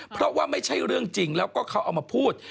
เพราะว่าไม่ใช่เรื่องจริงแล้วก็เขาเอามาพูด